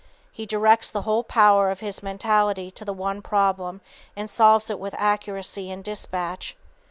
He directs the whole power of his mentality to the one problem and solves it with accuracy and dispatch.